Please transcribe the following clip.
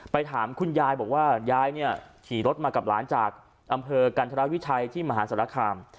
ถามคุณยายบอกว่ายายเนี่ยขี่รถมากับหลานจากอำเภอกันธรวิชัยที่มหาศาลคาม